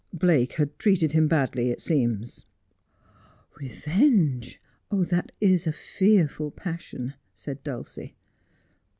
Blake had treated him badly, it seems.' ' Revenge. That is a fearful passion,' said Dulcie.